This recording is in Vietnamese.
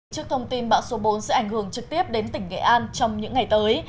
trước thông tin bão số bốn sẽ ảnh hưởng trực tiếp đến tỉnh nghệ an trong những ngày tới